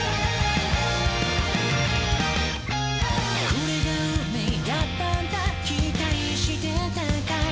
「これが運命だったんだ、期待してたかい？」